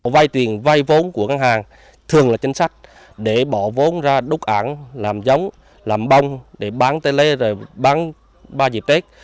vây tiền vây vốn của các hàng thường là chính sách để bỏ vốn ra đúc ảnh làm giống làm bông để bán tê lê bán ba dịp tết